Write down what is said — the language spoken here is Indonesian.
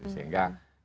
sehingga bisa diakses